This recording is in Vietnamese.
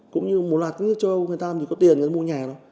cũng như một loạt nước châu âu người ta làm gì có tiền người ta mua nhà đâu